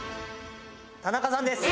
田中さんです。